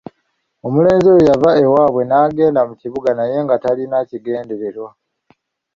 Omulenzi oyo yava ewaabwe n'agenda mu kibuga naye nga talina kigendererwa.